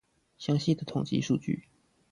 詳細的統計數據